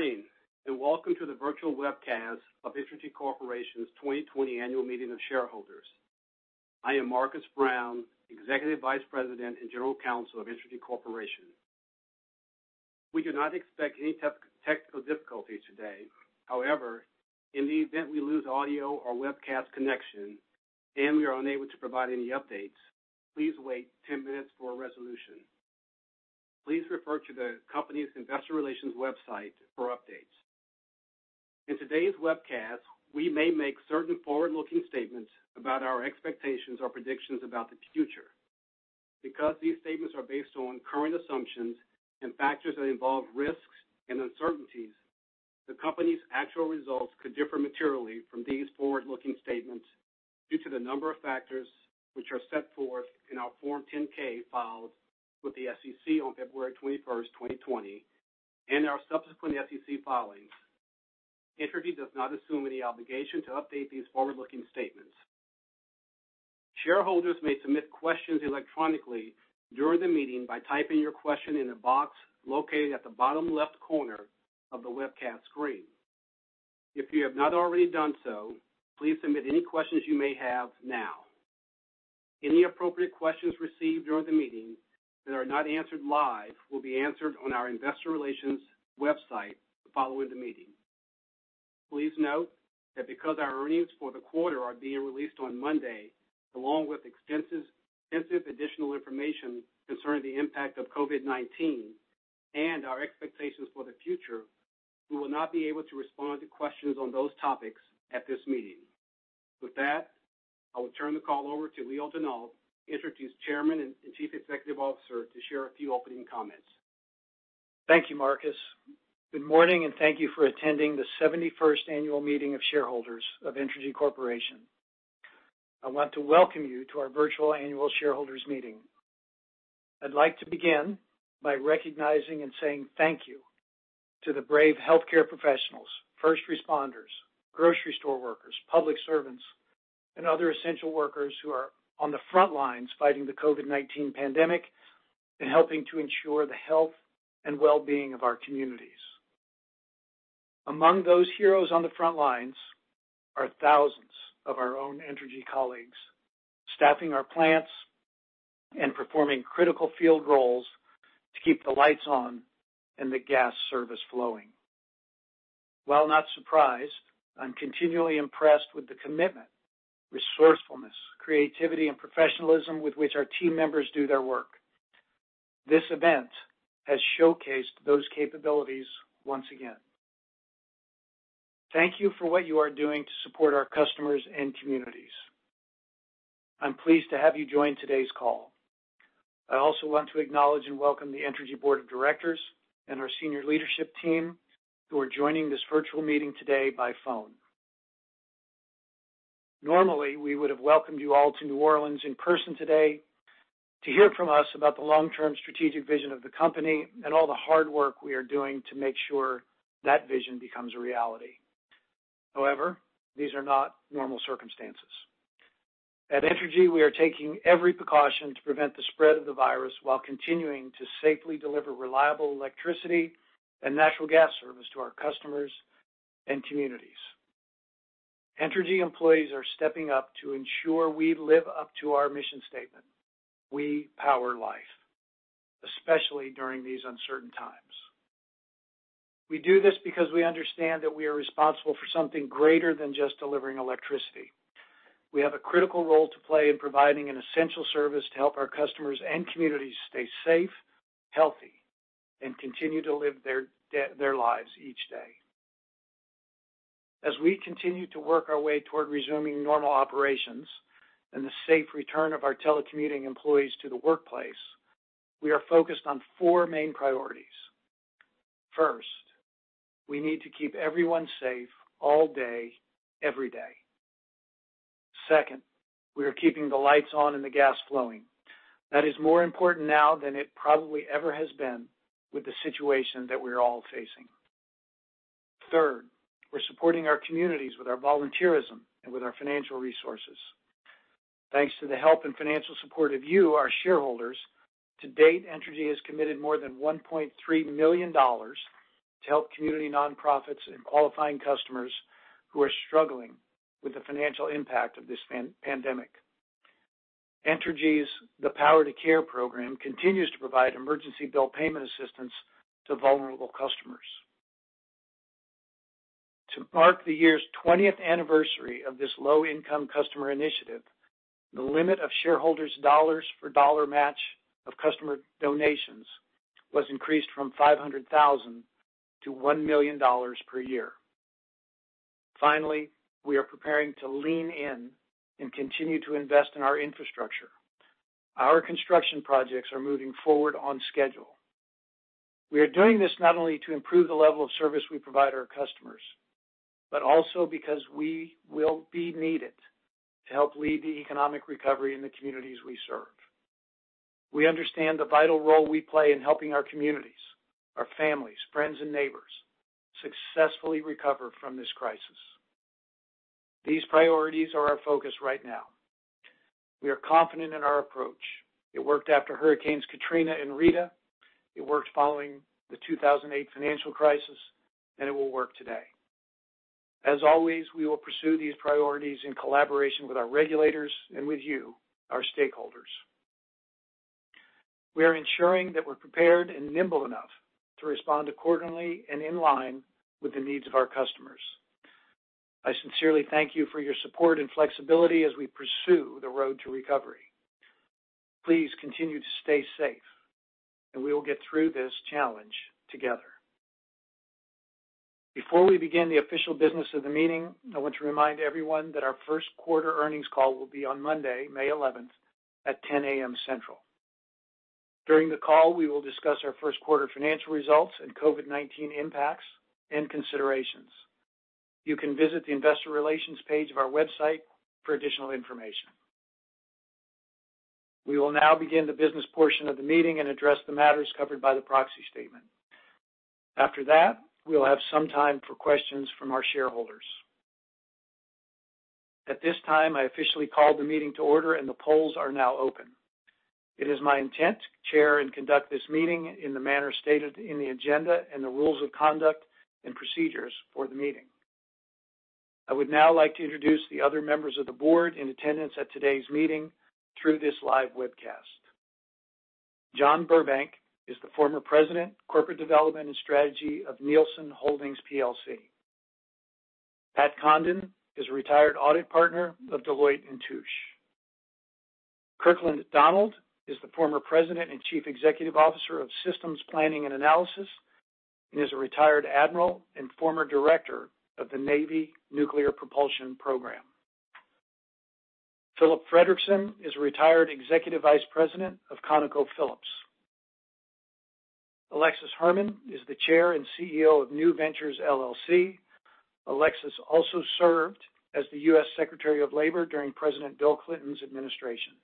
Good morning, and welcome to the virtual webcast of Entergy Corporation's 2020 Annual Meeting of Shareholders. I am Marcus Brown, Executive Vice President and General Counsel of Entergy Corporation. We do not expect any technical difficulties today. In the event we lose audio or webcast connection, and we are unable to provide any updates, please wait 10 minutes for a resolution. Please refer to the company's investor relations website for updates. In today's webcast, we may make certain forward-looking statements about our expectations or predictions about the future. These statements are based on current assumptions and factors that involve risks and uncertainties, the company's actual results could differ materially from these forward-looking statements due to the number of factors which are set forth in our Form 10-K filed with the SEC on February 21st, 2020, and our subsequent SEC filings. Entergy does not assume any obligation to update these forward-looking statements. Shareholders may submit questions electronically during the meeting by typing your question in the box located at the bottom left corner of the webcast screen. If you have not already done so, please submit any questions you may have now. Any appropriate questions received during the meeting that are not answered live will be answered on our investor relations website following the meeting. Please note that because our earnings for the quarter are being released on Monday, along with extensive additional information concerning the impact of COVID-19 and our expectations for the future, we will not be able to respond to questions on those topics at this meeting. With that, I will turn the call over to Leo Denault, Entergy's Chairman and Chief Executive Officer, to share a few opening comments. Thank you, Marcus. Good morning, and thank you for attending the 71st Annual Meeting of Shareholders of Entergy Corporation. I want to welcome you to our virtual annual shareholders meeting. I'd like to begin by recognizing and saying thank you to the brave healthcare professionals, first responders, grocery store workers, public servants, and other essential workers who are on the front lines fighting the COVID-19 pandemic and helping to ensure the health and well-being of our communities. Among those heroes on the front lines are thousands of our own Entergy colleagues, staffing our plants and performing critical field roles to keep the lights on and the gas service flowing. While not surprised, I'm continually impressed with the commitment, resourcefulness, creativity, and professionalism with which our team members do their work. This event has showcased those capabilities once again. Thank you for what you are doing to support our customers and communities. I'm pleased to have you join today's call. I also want to acknowledge and welcome the Entergy Board of Directors and our Senior Leadership Team who are joining this virtual meeting today by phone. Normally, we would have welcomed you all to New Orleans in person today to hear from us about the long-term strategic vision of the company and all the hard work we are doing to make sure that vision becomes a reality. However, these are not normal circumstances. At Entergy, we are taking every precaution to prevent the spread of the virus while continuing to safely deliver reliable electricity and natural gas service to our customers and communities. Entergy employees are stepping up to ensure we live up to our mission statement, we power life, especially during these uncertain times. We do this because we understand that we are responsible for something greater than just delivering electricity. We have a critical role to play in providing an essential service to help our customers and communities stay safe, healthy, and continue to live their lives each day. As we continue to work our way toward resuming normal operations and the safe return of our telecommuting employees to the workplace, we are focused on four main priorities. First, we need to keep everyone safe all day, every day. Second, we are keeping the lights on and the gas flowing. That is more important now than it probably ever has been with the situation that we're all facing. Third, we're supporting our communities with our volunteerism and with our financial resources. Thanks to the help and financial support of you, our shareholders, to date, Entergy has committed more than $1.3 million to help community nonprofits and qualifying customers who are struggling with the financial impact of this pandemic. Entergy's The Power to Care program continues to provide emergency bill payment assistance to vulnerable customers. To mark the year's 20th anniversary of this low-income customer initiative, the limit of shareholders' dollars for dollar match of customer donations was increased from $500,000 to $1 million per year. Finally, we are preparing to lean in and continue to invest in our infrastructure. Our construction projects are moving forward on schedule. We are doing this not only to improve the level of service we provide our customers, but also because we will be needed to help lead the economic recovery in the communities we serve. We understand the vital role we play in helping our communities, our families, friends, and neighbors successfully recover from this crisis. These priorities are our focus right now. We are confident in our approach. It worked after hurricanes Katrina and Rita. It worked following the 2008 financial crisis, and it will work today. As always, we will pursue these priorities in collaboration with our regulators and with you, our stakeholders. We are ensuring that we're prepared and nimble enough to respond accordingly and in line with the needs of our customers. I sincerely thank you for your support and flexibility as we pursue the road to recovery. Please continue to stay safe, and we will get through this challenge together. Before we begin the official business of the meeting, I want to remind everyone that our first quarter earnings call will be on Monday, May 11th at 10:00 A.M. Central. During the call, we will discuss our first quarter financial results and COVID-19 impacts and considerations. You can visit the investor relations page of our website for additional information. We will now begin the business portion of the meeting and address the matters covered by the proxy statement. After that, we will have some time for questions from our shareholders. At this time, I officially call the meeting to order and the polls are now open. It is my intent to chair and conduct this meeting in the manner stated in the agenda and the rules of conduct and procedures for the meeting. I would now like to introduce the other Members of the Board in attendance at today's meeting through this live webcast. John Burbank is the former President, Corporate Development and Strategy of Nielsen Holdings PLC. Pat Condon is a retired audit partner of Deloitte & Touche. Kirkland Donald is the former President and Chief Executive Officer of Systems Planning and Analysis and is a retired admiral and former director of the Naval Nuclear Propulsion Program. Philip Frederickson is a retired Executive Vice President of ConocoPhillips. Alexis Herman is the Chair and CEO of New Ventures LLC. Alexis also served as the U.S. Secretary of Labor during President Bill Clinton's administration.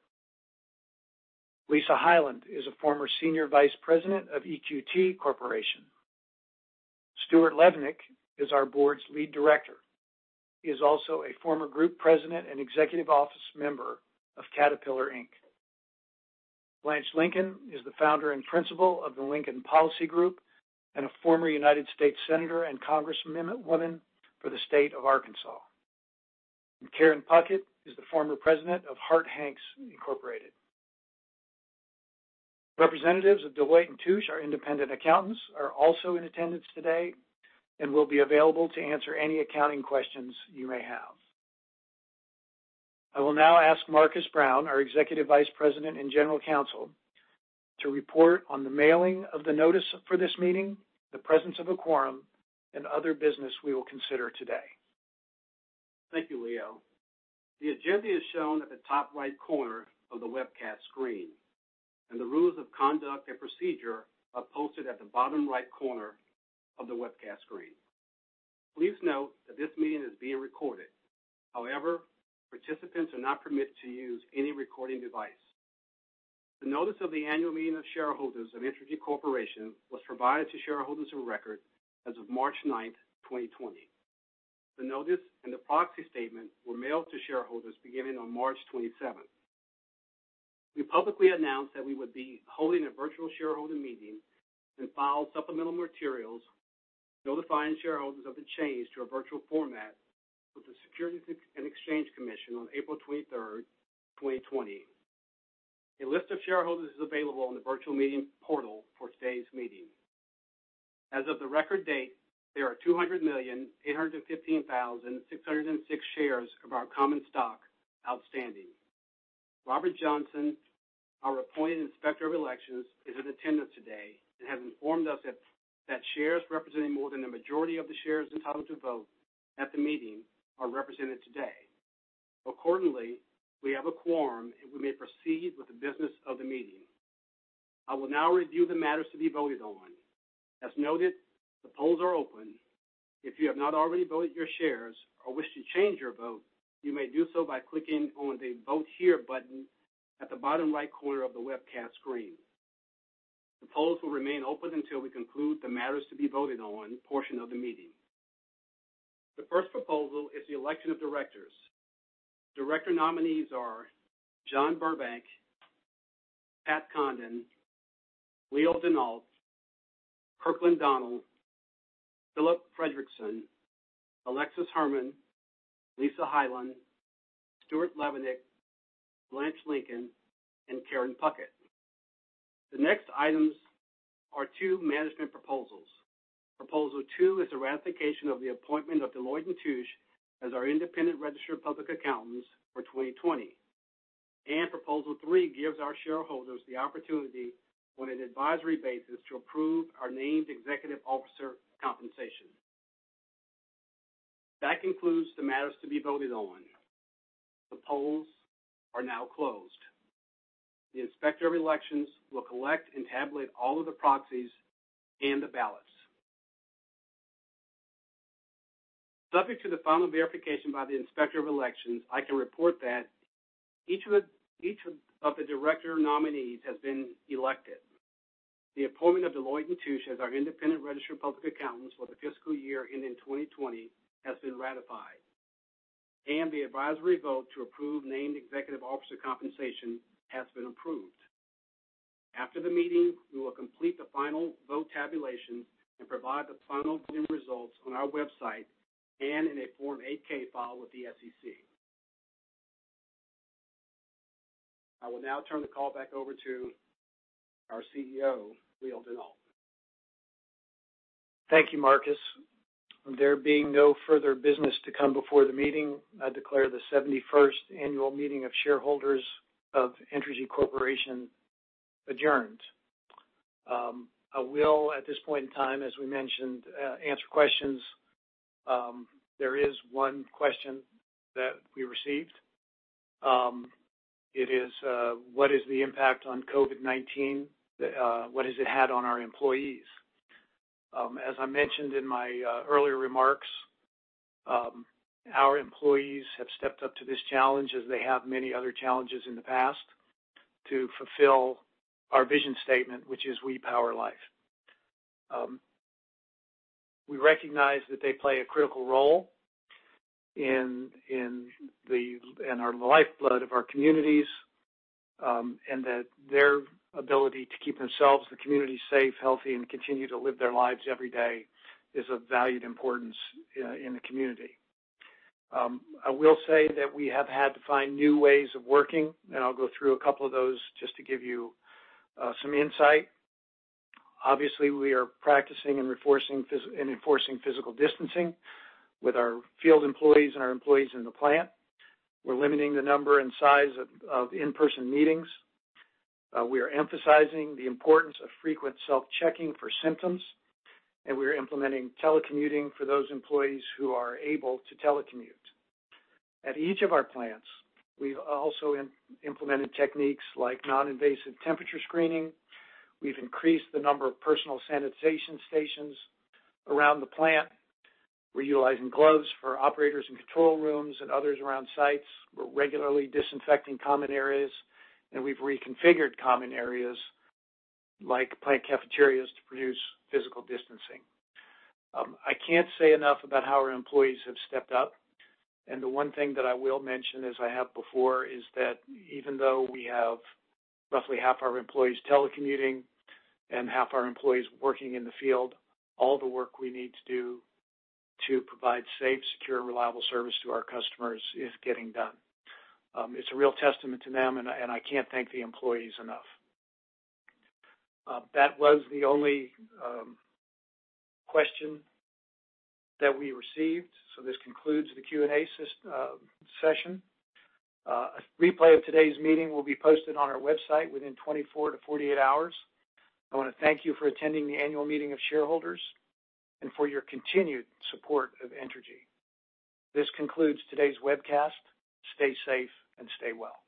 Lisa Hyland is a former Senior Vice President of EQT Corporation. Stuart Levenick is our Board's Lead Director. He is also a former Group President and Executive Office member of Caterpillar Inc. Blanche Lincoln is the founder and principal of the Lincoln Policy Group and a former United States senator and congresswoman for the state of Arkansas. Karen Puckett is the former President of Harte-Hanks Incorporated. Representatives of Deloitte & Touche, our independent accountants, are also in attendance today and will be available to answer any accounting questions you may have. I will now ask Marcus Brown, our Executive Vice President and General Counsel, to report on the mailing of the notice for this meeting, the presence of a quorum, and other business we will consider today. Thank you, Leo. The agenda is shown at the top right corner of the webcast screen, and the rules of conduct and procedure are posted at the bottom right corner of the webcast screen. Please note that this meeting is being recorded. However, participants are not permitted to use any recording device. The notice of the annual meeting of shareholders of Entergy Corporation was provided to shareholders of record as of March 9th, 2020. The notice and the proxy statement were mailed to shareholders beginning on March 27th. We publicly announced that we would be holding a virtual shareholder meeting and filed supplemental materials notifying shareholders of the change to a virtual format with the Securities and Exchange Commission on April 23rd, 2020. A list of shareholders is available on the virtual meeting portal for today's meeting. As of the record date, there are 200,815,606 shares of our common stock outstanding. Robert Johnson, our appointed Inspector of Elections, is in attendance today and has informed us that shares representing more than the majority of the shares entitled to vote at the meeting are represented today. We have a quorum, and we may proceed with the business of the meeting. I will now review the matters to be voted on. As noted, the polls are open. If you have not already voted your shares or wish to change your vote, you may do so by clicking on the Vote Here button at the bottom right corner of the webcast screen. The polls will remain open until we conclude the matters to be voted on portion of the meeting. The first proposal is the election of directors. Director nominees are John Burbank, Pat Condon, Leo Denault, Kirkland Donald, Philip Frederickson, Alexis Herman, Lisa Hyland, Stuart Levenick, Blanche Lincoln, and Karen Puckett. The next items are two management proposals. Proposal 2 is the ratification of the appointment of Deloitte & Touche as our independent registered public accountants for 2020. Proposal 3 gives our shareholders the opportunity on an advisory basis to approve our named executive officer compensation. That concludes the matters to be voted on. The polls are now closed. The Inspector of Elections will collect and tabulate all of the proxies and the ballots. Subject to the final verification by the Inspector of Elections, I can report that each of the director nominees has been elected. The appointment of Deloitte & Touche as our independent registered public accountants for the fiscal year ending 2020 has been ratified, and the advisory vote to approve named executive officer compensation has been approved. After the meeting, we will complete the final vote tabulations and provide the final voting results on our website and in a Form 8-K file with the SEC. I will now turn the call back over to our CEO, Leo Denault. Thank you, Marcus. There being no further business to come before the meeting, I declare the 71st Annual Meeting of Shareholders of Entergy Corporation adjourned. I will, at this point in time, as we mentioned, answer questions. There is one question that we received. It is: what is the impact on COVID-19? What has it had on our employees? As I mentioned in my earlier remarks, our employees have stepped up to this challenge, as they have many other challenges in the past, to fulfill our vision statement, which is, "We Power Life." We recognize that they play a critical role in our lifeblood of our communities, and that their ability to keep themselves, the community, safe, healthy, and continue to live their lives every day is of valued importance in the community. I will say that we have had to find new ways of working, and I'll go through a couple of those just to give you some insight. Obviously, we are practicing and enforcing physical distancing with our field employees and our employees in the plant. We're limiting the number and size of in-person meetings. We are emphasizing the importance of frequent self-checking for symptoms, and we're implementing telecommuting for those employees who are able to telecommute. At each of our plants, we've also implemented techniques like non-invasive temperature screening. We've increased the number of personal sanitation stations around the plant. We're utilizing gloves for operators in control rooms and others around sites. We're regularly disinfecting common areas, and we've reconfigured common areas like plant cafeterias to produce physical distancing. I can't say enough about how our employees have stepped up, and the one thing that I will mention, as I have before, is that even though we have roughly half our employees telecommuting and half our employees working in the field, all the work we need to do to provide safe, secure, and reliable service to our customers is getting done. It's a real testament to them, and I can't thank the employees enough. That was the only question that we received, so this concludes the Q&A session. A replay of today's meeting will be posted on our website within 24-48 hours. I want to thank you for attending the Annual Meeting of Shareholders and for your continued support of Entergy. This concludes today's webcast. Stay safe and stay well.